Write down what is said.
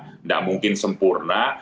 tidak mungkin sempurna